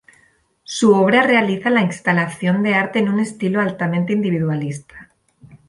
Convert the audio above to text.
Su obra realiza la instalación de arte en un estilo altamente individualista.